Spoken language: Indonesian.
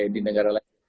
di negara lain